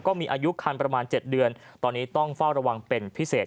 ก็มีอายุคันประมาณ๗เดือนตอนนี้ต้องเฝ้าระวังเป็นพิเศษ